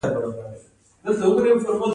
د افغانستان اوبه خوږې دي